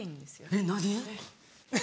えっ何？